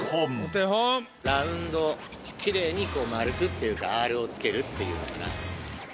ラウンド。っていうかアールをつけるっていうのかな。